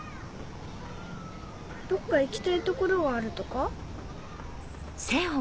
どっか行きたい所があるとか？